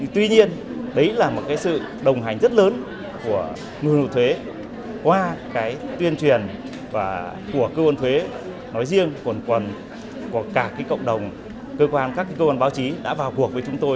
tuy nhiên đấy là một sự đồng hành rất lớn của người nộp thuế qua tuyên truyền của cơ quan thuế nói riêng còn cả cộng đồng các cơ quan báo chí đã vào cuộc với chúng tôi